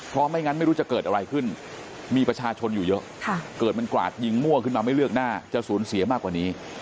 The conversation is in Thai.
เพราะไม่งั้นไม่รู้จะเกิดอะไรขึ้นมีประชาชนอยู่เยอะเกิดมันกราดยิงมั่วขึ้นมาไม่เลือกหน้าจะสูญเสียมากกว่านี้